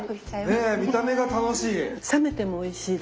ねえ見た目が楽しい！